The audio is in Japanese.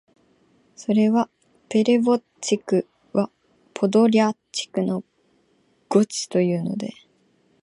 それは「ペレヴォッチクはポドリャッチクの誤植」というので、